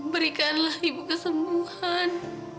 berikanlah ibu kesembuhan